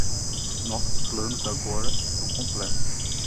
Nossos planos agora estão completos.